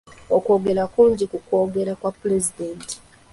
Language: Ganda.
Okwogera kungi ku kwogera kwa pulezidenti.